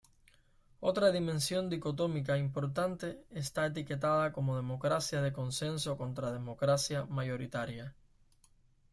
Otra dimensión dicotómica importante está etiquetada como democracia de consenso contra democracia mayoritaria.